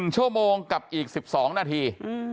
๑ชั่วโมงกับอีก๑๒นาที